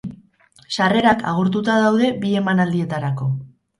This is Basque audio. Sarrerak agortuta daude bi emanaldietarako.